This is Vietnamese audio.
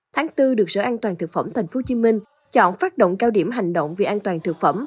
tháng bốn được sở an toàn thực phẩm tp hcm chọn phát động cao điểm hành động vì an toàn thực phẩm